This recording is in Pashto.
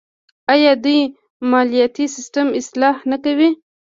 آیا دوی مالیاتي سیستم اصلاح نه کوي؟